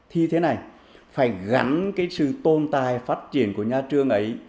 thì thế này phải gắn cái sự tôn tài phát triển của nhà trường ấy